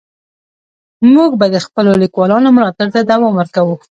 موږ به د خپلو لیکوالانو ملاتړ ته دوام ورکوو.